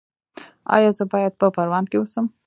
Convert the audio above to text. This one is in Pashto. ایا زه باید په پروان کې اوسم؟